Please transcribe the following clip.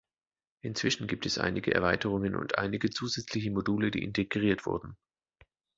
Inzwischen gibt es einige Erweiterungen und einige zusätzliche Module, die integriert wurden.